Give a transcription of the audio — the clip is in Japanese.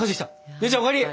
姉ちゃんお帰り！